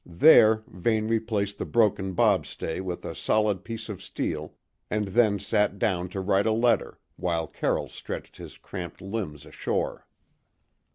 There Vane replaced the broken bobstay with a solid piece of steel, and then sat down to write a letter, while Carroll stretched his cramped limbs ashore.